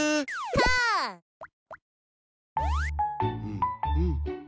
うんうん。